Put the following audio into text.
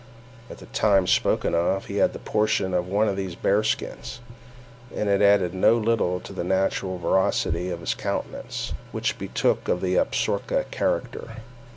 At the time spoken of, he had on a portion of one of these bearskins; and it added no little to the natural ferocity of his countenance, which betook of the Upsaroka character.